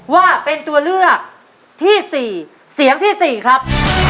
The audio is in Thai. ว่าเป็นตัวเลือกที่๔เสียงที่๔ครับ